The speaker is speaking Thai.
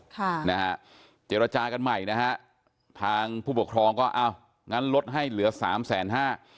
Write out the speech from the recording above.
ค่ะนะฮะเจรจากันใหม่นะฮะทางผู้ปกครองก็อ้าวงั้นลดให้เหลือสามแสนห้า